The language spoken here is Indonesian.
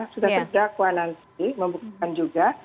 sudah perdakwaan nanti membukaan juga